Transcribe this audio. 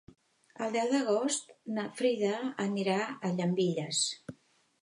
El deu d'agost na Frida anirà a Llambilles.